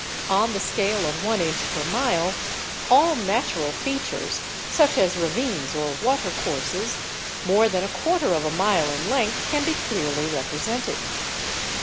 On the scale of one inch per mile all natural features (such as ravines or watercourses) more than a quarter of a mile in length can be clearly represented.